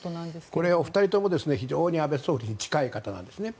これはお二人とも非常に安倍総理に近い方なんです。